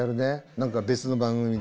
何か別の番組で。